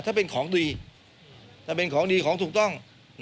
ถ้าเป็นของดีถ้าเป็นของดีของถูกต้อง